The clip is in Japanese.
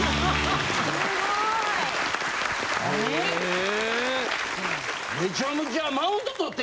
すごい。え。